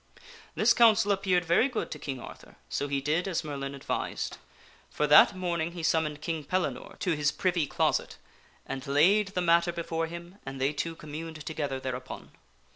This counsel appeared very good to King Arthur, so he did as Merlin advised. For that morning he summoned King Pellinore to his privy PROLOGUE 157 cioset and laid the matter before him and they two communed together thereupon.